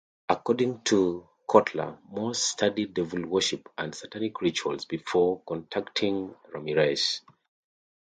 According to Kottler, Moss studied devil worship and Satanic rituals before contacting Ramirez.